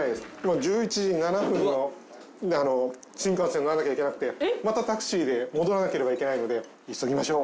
１１時７分の新幹線に乗らなきゃいけなくてまたタクシーで戻らなければいけないので急ぎましょう。